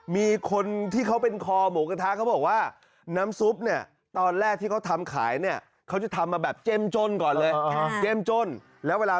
มีคนที่เขาเป็นคอหมวกกระทะเขาบอกว่า